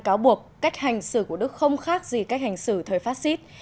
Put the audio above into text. cáo buộc cách hành xử của đức không khác gì cách hành xử thời fascist